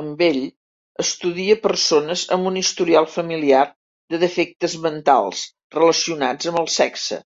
En Bell estudia persones amb un historial familiar de "defectes mentals" relacionats amb el sexe.